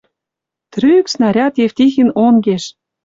Трӱк снаряд Евтихин онгеш